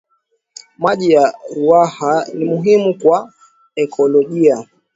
maji ya ruaha ni muhimu kwa ekolojia